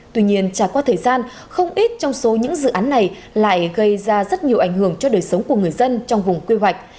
tuy nhiên trải qua thời gian không ít trong số những dự án này lại gây ra rất nhiều ảnh hưởng cho đời sống của người dân trong vùng quy hoạch